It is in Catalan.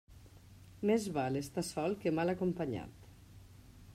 Més val estar sol que mal acompanyat.